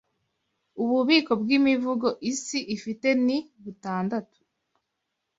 Ububiko bw'Imivugo Isi ifite ni butndatu